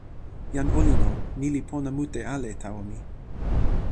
jan olin o, ni li pona mute ale tawa mi.